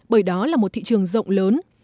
bởi đó là một thị trường rộng lớn